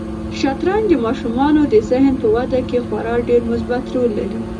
شطرنج د ماشومانو د ذهن په وده کې خورا ډېر مثبت رول لري.